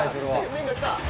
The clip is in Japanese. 麺が来た！